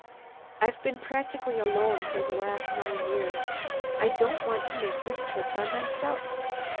"I've been practically alone for the last nine years. I don't want to make this trip by myself.